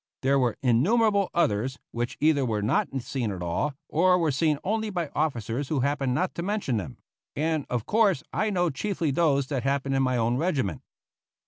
There were innumerable others, which either were not seen at all, or were seen only by officers who happened not to mention them; and, of course, I know chiefly those that happened in my own regiment.